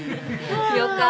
よかったね。